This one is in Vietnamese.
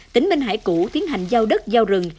tỉnh minh hải cũ tiến hành giao đất giao rừng